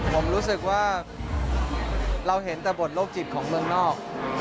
ผมรู้สึกว่าเราเห็นแต่บทโลกจิตของเมืองนอก